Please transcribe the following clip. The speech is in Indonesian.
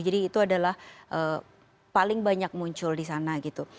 jadi itu adalah paling banyak muncul di sana gitu